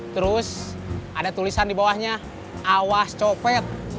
terus ada tulisan dibawahnya awas copet